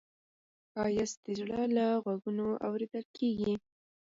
ښایست د زړه له غوږونو اورېدل کېږي